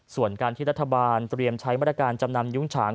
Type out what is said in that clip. ส่วนการที่รัฐบาลเตรียมใช้มาตรการจำนำยุ้งฉาง